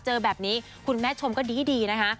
เจอแบบนี้คุณแม่ชมก็ดีนะคะ